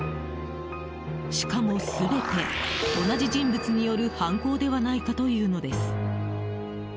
しかも、全て同じ人物による犯行ではないかというのです。